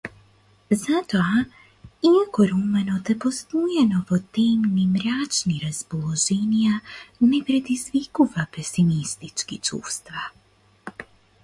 Затоа, иако романот е постојано во темни, мрачни расположенија, не предизвикува песимистички чувства.